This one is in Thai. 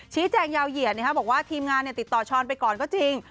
ชี้แจงยาวเหยียดบอกว่าทีมงานติดต่อช้อนไปก่อนก็จริง